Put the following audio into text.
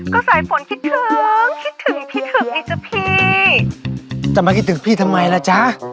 ก็สายฝนคิดถึงคิดถึงพี่ถึงไอ้จ๊ะพี่จะมาคิดถึงพี่ทำไมล่ะจ๊ะ